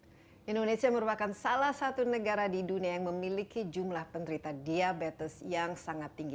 indonesia merupakan salah satu negara di dunia yang memiliki jumlah penderita diabetes yang sangat tinggi